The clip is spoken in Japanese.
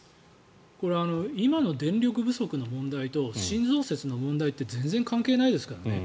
これ、今の電力不足の問題と新増設の問題って全然関係ないですからね。